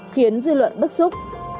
khiến dư luận bức xúc